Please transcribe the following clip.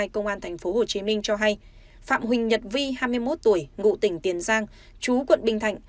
công an tp hcm cho hay phạm huỳnh nhật vi hai mươi một tuổi ngụ tỉnh tiền giang chú quận bình thạnh